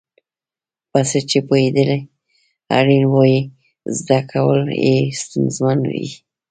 په څه چې پوهېدل اړین وي زده کول یې ستونزمن وي.